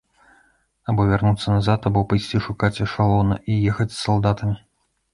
Або вярнуцца назад, або пайсці шукаць эшалона і ехаць з салдатамі.